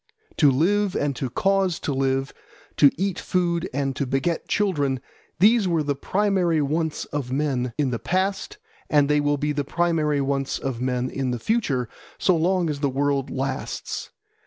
To live and to cause to live, to eat food and to beget children, these were the primary wants of men in the past, and they will be the primary wants of men in the future so long as the world lasts.